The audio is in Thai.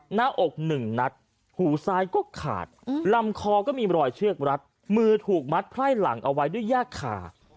หน้าอกหนึ่งนัดหูซ้ายก็ขาดลำคอก็มีรอยเชือกรัดมือถูกมัดไพร่หลังเอาไว้ด้วยยากขา